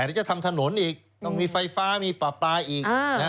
แล้วจะทำถนนอีกต้องมีไฟฟ้าที่เปล่าอีก